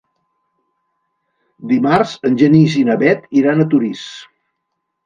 Dimarts en Genís i na Bet iran a Torís.